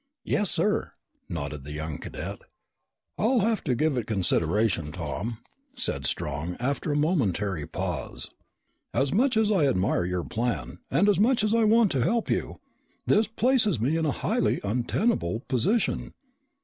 "Yes, sir," nodded the young cadet. "I'll have to give it consideration, Tom," said Strong after a momentary pause. "As much as I admire your plan and as much as I want to help you, this places me in a highly untenable position.